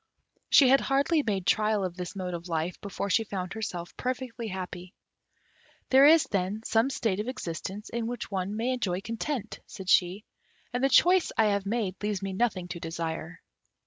She had hardly made trial of this mode of life before she found herself perfectly happy. "There is, then, some state of existence in which one may enjoy content," said she; "and the choice I have made leaves me nothing to desire."